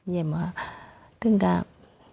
เยมค่ะตึงกับ